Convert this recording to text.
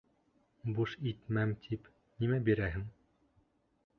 Буш итмәм тип, нимә бирәһең?